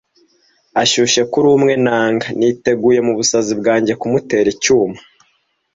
Ashyushye kuri umwe nanga, niteguye mubusazi bwanjye kumutera icyuma,